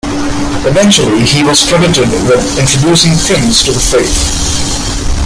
Eventually, he was credited with introducing Prince to the faith.